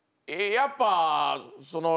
やっぱそのろう